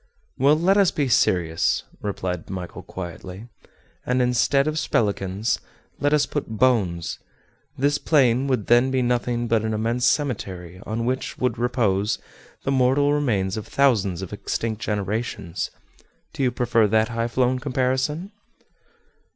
"Well, let us be serious," replied Michel quietly; "and instead of spelikans, let us put bones. This plain, would then be nothing but an immense cemetery, on which would repose the mortal remains of thousands of extinct generations. Do you prefer that high flown comparison?"